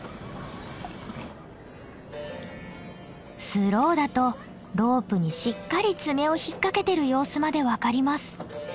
スローだとロープにしっかり爪を引っ掛けてる様子まで分かります。